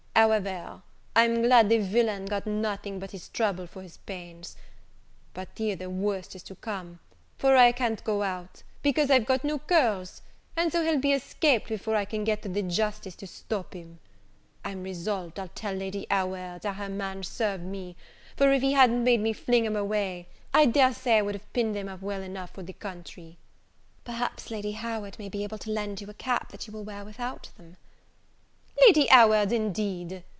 However, I'm glad the villain got nothing but his trouble for his pains. But here the worst is to come, for I can't go out, because I've got no curls, and so he'll be escaped before I can get to the justice to stop him. I'm resolved I'll tell Lady Howard how her man served me; for if he hadn't made me fling 'em away, I dare say I would have pinned them up well enough for the country." "Perhaps Lady Howard may be able to lend you a cap that will wear without them." "Lady Howard, indeed!